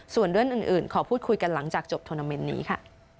ส่วนเรื่องอื่นขอพูดคุยกันหลังจากจบทวนาเมนต์นี้ค่ะ